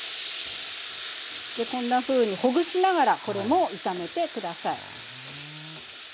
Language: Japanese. こんなふうにほぐしながらこれも炒めて下さい。